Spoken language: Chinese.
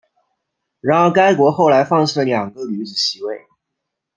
然而该国后来放弃了两个女子席位。